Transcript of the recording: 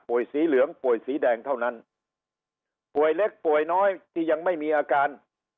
สีเหลืองป่วยสีแดงเท่านั้นป่วยเล็กป่วยน้อยที่ยังไม่มีอาการ